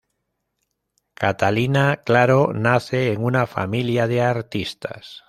Catalina Claro nace en una familia de artistas.